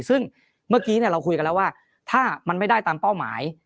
ซึ่งเมื่อกี้เราคุยกันแล้วว่าถ้ามันไม่ได้ตามเป้าหมาย